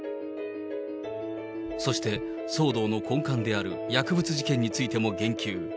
そして、騒動の根幹である薬物事件についても言及。